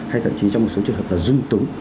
hay thậm chí trong một số trường hợp là dung túng